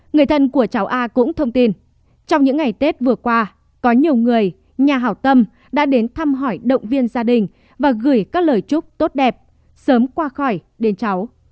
người thân của cháu a cũng thông tin trong những ngày tết vừa qua có nhiều người nhà hảo tâm đã đến thăm hỏi động viên gia đình và gửi các lời chúc tốt đẹp sớm qua khỏi đến cháu